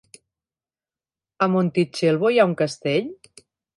A Montitxelvo hi ha un castell?